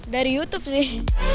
dari youtube sih